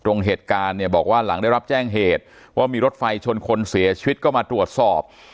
เหตุการณ์เนี่ยบอกว่าหลังได้รับแจ้งเหตุว่ามีรถไฟชนคนเสียชีวิตก็มาตรวจสอบ